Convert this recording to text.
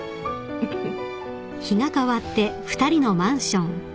フフフ。